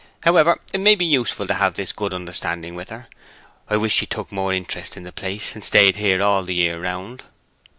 However, it may be useful to have this good understanding with her....I wish she took more interest in the place, and stayed here all the year round."